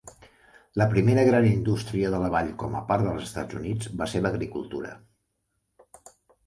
La primera gran industria de la vall com a part dels Estats Units va ser l'agricultura.